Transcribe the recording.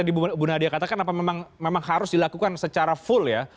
penguncian wilayah itu seperti yang ibu nadia katakan apa memang harus dilakukan secara full ya